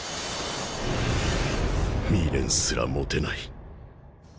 未練すら持てない